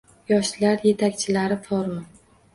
Yoshlar yetakchilari forumi